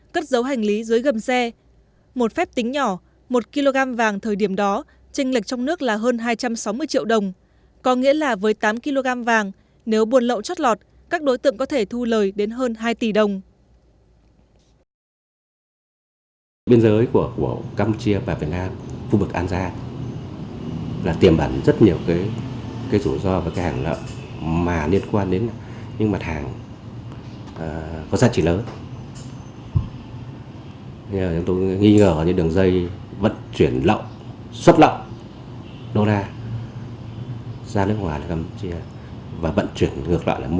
các đối tượng đã vận chuyển tám kg vàng có nghĩa là với tám kg vàng các đối tượng có thể thu lời đến hơn hai tỷ đồng